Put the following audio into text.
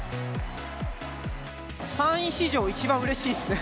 ３位史上一番うれしいですね。